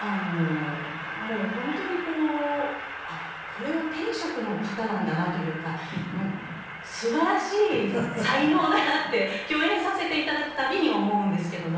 もう本当にこうあっこれは天職の方なんだなというかすばらしい才能だなって共演させて頂く度に思うんですけども。